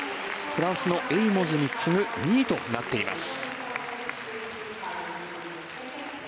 フランスのエイモズに次ぐ２位となっています。